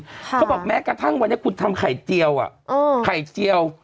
พี่โมด๔บาทเขาบอกแม้กระทั่งว่าคุณทำไข่เจียว